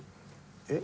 えっ？